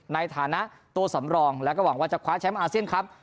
ในฐานะตัวสำรองแล้วก็หวังว่าจะคว้าแชมป์อาเซียนครับ